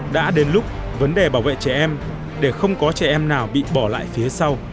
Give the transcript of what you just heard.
đã đến lúc vấn đề bảo vệ trẻ em để không có trẻ em nào bị bỏ lại phía sau